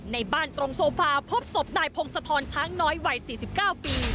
ในบ้านตรงโซฟาพบศพนายพงศธรช้างน้อยวัย๔๙ปี